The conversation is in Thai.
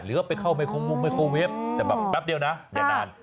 หรือว่าไปเข้าไมโครเว็บแต่แป๊บเดียวนะอย่านาน